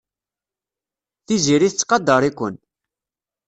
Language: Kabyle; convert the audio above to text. Tiziri tettqadar-iken.